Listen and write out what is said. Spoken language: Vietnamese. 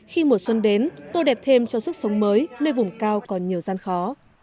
khi mùa xuân đến tôi đẹp thêm cho sức sống mới nơi vùng cao còn nhiều gian khó